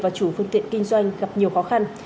và chủ phương tiện kinh doanh gặp nhiều khó khăn